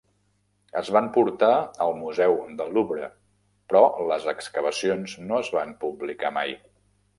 Es van portar al Museu del Louvre, però les excavacions no es van publicar mai.